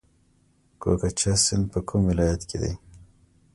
کوکچه سیند په کوم ولایت کې دی؟